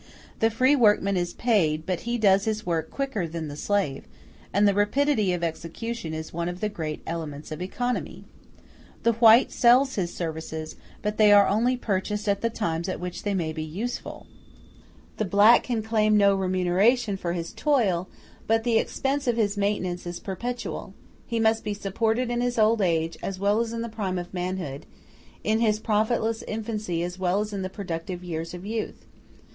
The free workman is paid, but he does his work quicker than the slave, and rapidity of execution is one of the great elements of economy. The white sells his services, but they are only purchased at the times at which they may be useful; the black can claim no remuneration for his toil, but the expense of his maintenance is perpetual; he must be supported in his old age as well as in the prime of manhood, in his profitless infancy as well as in the productive years of youth.